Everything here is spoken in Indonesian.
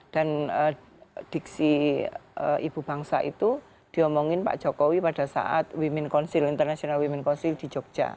dan diksi ibu bangsa itu diomongin pak jokowi pada saat women's council international women's council di jogja